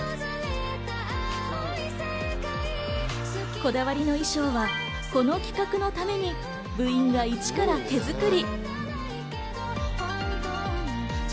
こだわりの衣装はこの企画のために部員がイチから手作り。